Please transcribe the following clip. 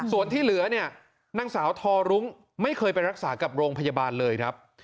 ส่วนที่เหลือเนี่ยนางสาวทอรุ้งไม่เคยไปรักษากับโรงพยาบาลเลยครับ